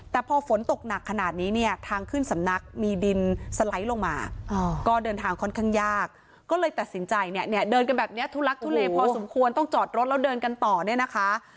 แต่พอฝนตกหนักขนาดนี้เนี่ยทางขึ้นสำนักมีดินสไลด์ลงมาก็เดินทางค่อนข้างยากก็เลยตัดสินใจเนี่ยเนี่ยเดินกันแบบนี้ทุลักทุเลพอสมควรต้องจอดรถแล้วเดินกันต่อเนี่ยนะคะ